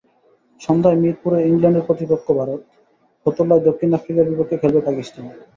সন্ধ্যায় মিরপুরে ইংল্যান্ডের প্রতিপক্ষ ভারত, ফতুল্লায় দক্ষিণ আফ্রিকার বিপক্ষে খেলবে পাকিস্তান।